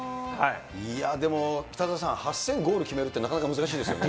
いやでも、北澤さん、８０００ゴール決めるって、なかなか難しいですよね。